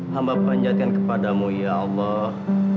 hamba panjatkan kepadamu ya allah